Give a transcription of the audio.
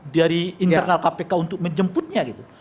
dari internal kpk untuk menjemputnya gitu